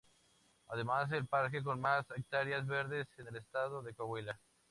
Además es el parque con más Hectáreas verdes en el estado de Coahuila.